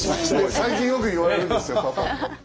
最近よく言われるんですよパパって。